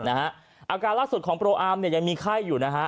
อาการล่าสุดของโปรอาร์มยังมีไข้อยู่นะฮะ